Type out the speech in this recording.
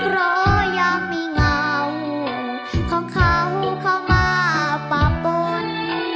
เพราะยังมีเหงาของเขาเข้ามาปากปน